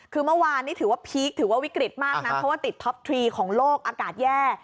คือเมื่อวานนี้ถือว่าพีคถือว่าวิกฤตมากนะเพราะว่าติดท็อปทรีของโลกอากาศแย่